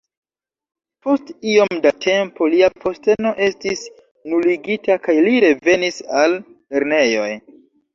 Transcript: Post iom da tempo lia posteno estis nuligita kaj li revenis al lernejoj.